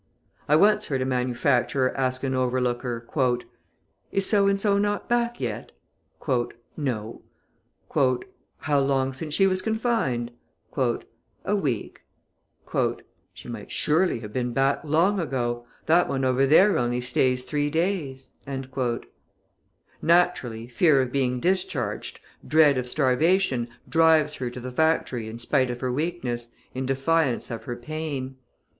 I once heard a manufacturer ask an overlooker: "Is so and so not back yet?" "No." "How long since she was confined?" "A week." "She might surely have been back long ago. That one over there only stays three days." Naturally, fear of being discharged, dread of starvation drives her to the factory in spite of her weakness, in defiance of her pain.